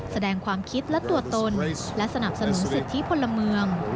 แสดงความคิดและตัวตนและสนับสนุนสิทธิพลเมือง